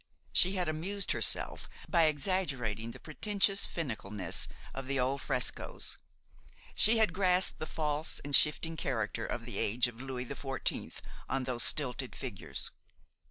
She had amused herself by exaggerating the pretentious finicalness of the old frescoes; she had grasped the false and shifting character of the age of Louis XIV. on those stilted figures.